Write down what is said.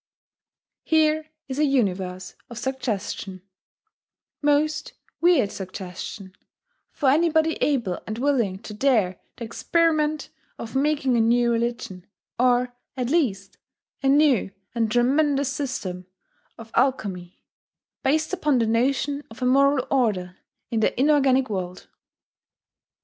Here is a universe of suggestion, most weird suggestion for anybody able and willing to dare the experiment of making a new religion, or at least a new and tremendous system of Alchemy, based upon the notion of a moral order in the inorganic world!